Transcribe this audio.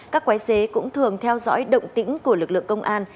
các quái xế cũng thường theo dõi động tĩnh của lực lượng công an